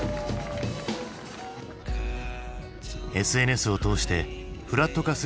ＳＮＳを通してフラット化する世界。